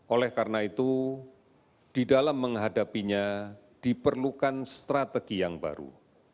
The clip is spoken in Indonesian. oleh karena itu di dalam menghadapinya diperlukan strategi yang baru